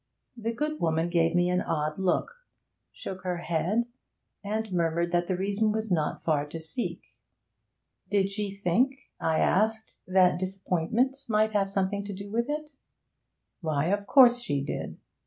The good woman gave me an odd look, shook her head, and murmured that the reason was not far to seek. 'Did she think,' I asked, 'that disappointment might have something to do with it?' Why, of course she did.